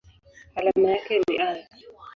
Alama yake ni Al.